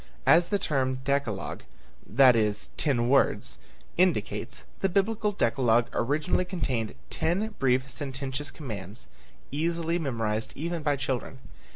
As the term "decalogue," that is "ten words," indicates, the Biblical decalogue originally contained ten brief sententious commands, easily memorized even by children.